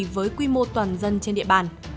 với quy mô toàn dân trên địa bàn